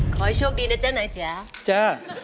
ขอให้โชคดีนะจ๊ะหน่อยจ๊ะจ๊ะ